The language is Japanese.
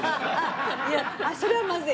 いやそれはまずい。